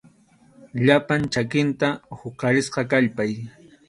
Llapan chakinta huqarispa kallpay.